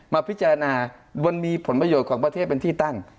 มาพิจารณามันมีผลประโยชน์ของประเทศเป็นที่ตั้ง